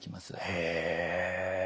へえ。